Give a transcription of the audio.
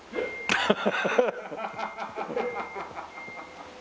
ハハハハ！